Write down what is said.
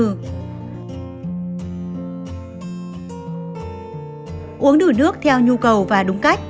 uống đủ nước theo nhu cầu và đúng cách